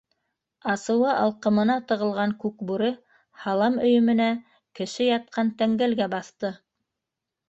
Асыуы алҡымына тығылған Күкбүре һалам өйөмөнә, кеше ятҡан тәңгәлгә баҫты.